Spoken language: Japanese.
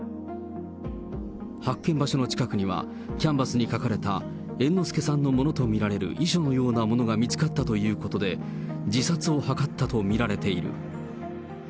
発見場所の近くには、キャンバスに書かれた猿之助さんのものと見られる遺書のようなものが見つかったということで、自殺を図ったと見られている。